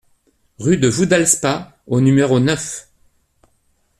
Rue de Woodhall-Spa au numéro neuf